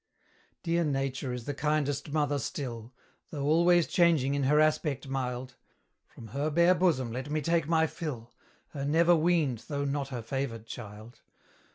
Dear Nature is the kindest mother still; Though always changing, in her aspect mild: From her bare bosom let me take my fill, Her never weaned, though not her favoured child.